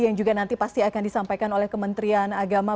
yang juga nanti pasti akan disampaikan oleh kementerian agama